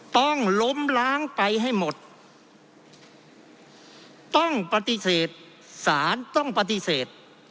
ต้องล้มล้างไปให้หมดต้องปฏิเสธสารต้องปฏิเสธ